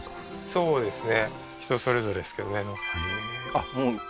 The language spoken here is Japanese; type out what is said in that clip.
そうですね